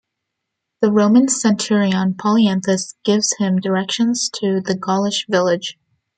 The Roman centurion Polyanthus gives him directions to the Gaulish village.